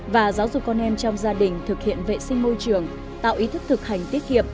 và giáo dục con em trong gia đình thực hiện vệ sinh môi trường tạo ý thức thực hành tiết kiệm